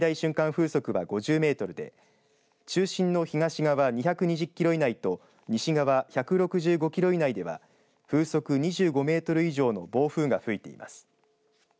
風速は５０メートルで中心の東側２２０キロ以内と西側１５５キロ以内では風速２５メートル以上の暴風が吹いています。